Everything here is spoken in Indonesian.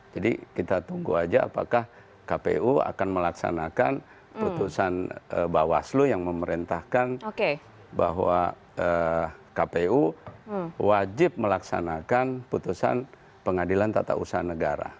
jadi kita tunggu aja apakah kpu akan melaksanakan putusan bawah aslu yang memerintahkan bahwa kpu wajib melaksanakan putusan pengadilan tata usaha negara